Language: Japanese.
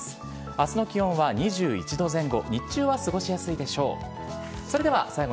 明日の気温は２１度前後。